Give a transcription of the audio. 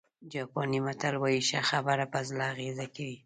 جاپاني متل وایي ښه خبره په زړه اغېزه کوي.